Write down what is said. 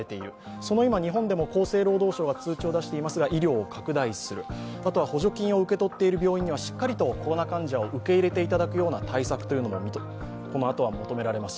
その今、日本でも厚生労働省が通知を出していますが医療を拡大する、あとは補助金を受け取っている病院にはしっかりとコロナ患者を受け入れていただくような対策もこのあとは求められます